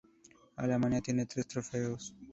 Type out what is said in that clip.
Alemania tiene tres trofeos.